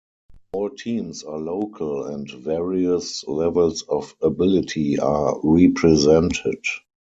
All teams are local and various levels of ability are represented.